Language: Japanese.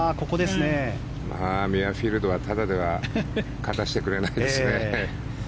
ミュアフィールドはただでは勝たせてくれないですね。